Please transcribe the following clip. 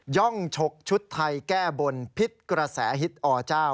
่องฉกชุดไทยแก้บนพิษกระแสฮิตอเจ้า